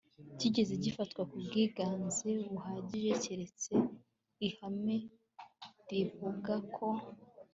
kigeze gifatwa ku bwiganze buhagije keretse ihame rivuga ko